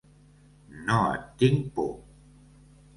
No et tinc por.